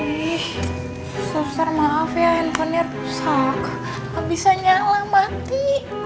ih suster maaf ya handphonenya rusak gak bisa nyala mati